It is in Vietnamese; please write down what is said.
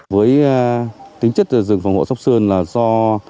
với tính chất rừng phòng hộ sóc sơn là do